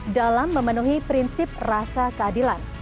dalam memenuhi prinsip rasa keadilan